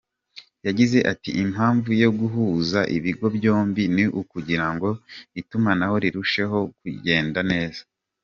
Yagize ati “Impamvu yo guhuza ibigo byombi ni ukugira ngo itumanaho rirusheho kugenda neza.